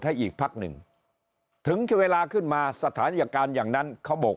ให้อีกพักหนึ่งถึงเวลาขึ้นมาสถานการณ์อย่างนั้นเขาบอก